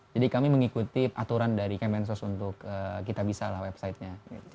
jadi kami mengikuti aturan dari kemensos untuk kita bisa lah websitenya